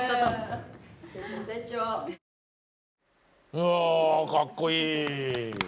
うわかっこいい。